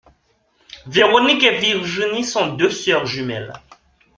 Véronique et Virginie sont deux sœurs jumelles.